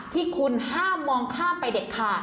ที่คุณห้ามมองข้ามไปเด็ดขาด